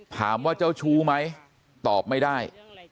ถามว่าเจ้าชู้ไหมตอบไม่ได้